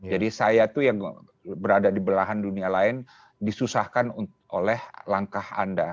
jadi saya itu yang berada di belahan dunia lain disusahkan oleh langkah anda